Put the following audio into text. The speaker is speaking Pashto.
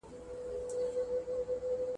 • ساندي هم خوشاله زړه غواړي.